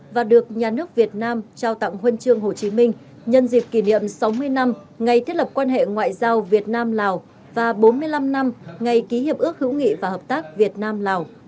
và được nhà nước việt nam trao tặng huân chương hồ chí minh nhân dịp kỷ niệm sáu mươi năm ngày thiết lập quan hệ ngoại giao việt nam lào và bốn mươi năm năm ngày ký hiệp ước hữu nghị và hợp tác việt nam lào